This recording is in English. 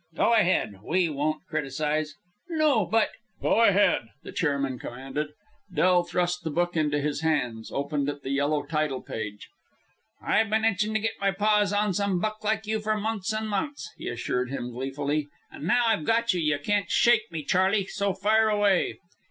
"Go ahead. We won't criticise." "No, but " "Go ahead!" the chairman commanded. Del thrust the book into his hands, opened at the yellow title page. "I've been itching to get my paws on some buck like you for months and months," he assured him, gleefully. "And now I've got you, you can't shake me, Charley. So fire away."